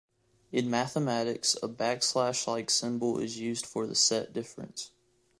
In mathematics, a backslash-like symbol is used for the set difference.